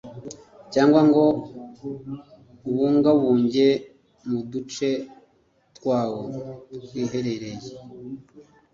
cyangwa ngo ubungabunge mu duce twawo twiherereye